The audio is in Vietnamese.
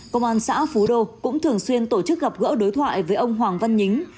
công an xã phú đô cũng thường xuyên tổ chức gặp gỡ đối thoại với ông hoàng văn nhính